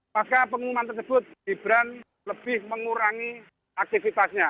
maka pengumuman tersebut gibran lebih mengurangi aktivitasnya